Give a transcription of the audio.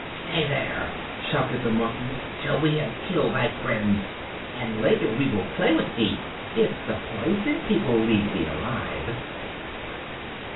"Stay there," shouted the monkeys, "till we have killed thy friends, and later we will play with thee if the Poison People leave thee alive."